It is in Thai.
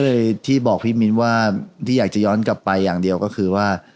เลยที่บอกพี่มิ้นว่าที่อยากจะย้อนกลับไปอย่างเดียวก็คือว่า